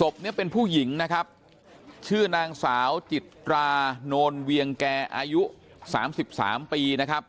ศพเนี่ยเป็นผู้หญิงนะครับชื่อนางสาวจิตรานอนเวียงแกอายุสามสิบสามปีนะครับ